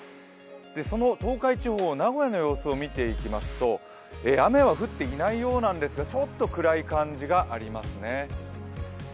その東海地方・名古屋の様子を見ていきますと雨は降っていないようなんですが、ちょっと暗い感じがありますね。